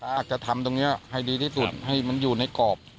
อาจจะทำตรงนี้ให้ดีที่สุดให้มันอยู่ในกรอบ